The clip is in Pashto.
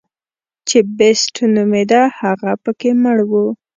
چې بېسټ نومېده هغه پکې مړ و.